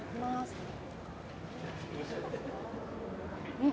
うん。